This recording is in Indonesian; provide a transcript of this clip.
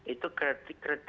itu kriteria menegakkan diagnosi